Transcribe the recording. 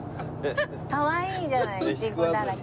かわいいじゃないイチゴだらけ。